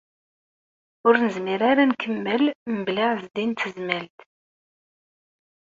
Ur nezmir ara ad nkemmel mebla Ɛezdin n Tezmalt.